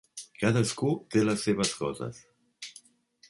Cadascú té les seves coses.